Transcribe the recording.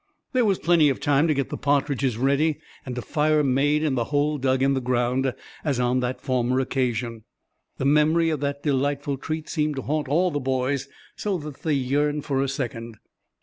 There was plenty of time to get the partridges ready and a fire made in the hole dug in the ground, as on that former occasion. The memory of that delightful treat seemed to haunt all the boys, so that they yearned for a second.